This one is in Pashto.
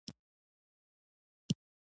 زه د کارکوونکو ایمیلونه تنظیموم.